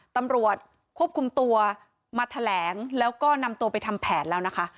ตำรวจควบคุมตัวมาแถลงแล้วก็นำตัวไปทำแผนแล้วนะคะ